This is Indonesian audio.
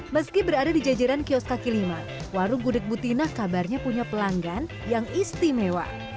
meski berada di jajaran kios kaki lima warung gudeg butina kabarnya punya pelanggan yang istimewa